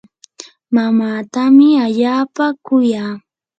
mamaatami allaapa kuya.